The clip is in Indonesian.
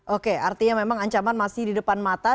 oke artinya memang ancaman masih di depan mata